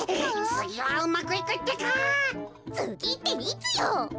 つぎっていつよ？